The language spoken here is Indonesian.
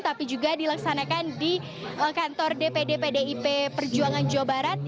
tapi juga dilaksanakan di kantor dpd pdip perjuangan jawa barat